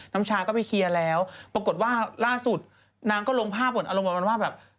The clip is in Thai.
น้ำชาก็ไปเคลียร์แล้วปรากฏว่าล่าสุดนางก็ลงภาพหมดอารมณ์ประมาณว่าแบบ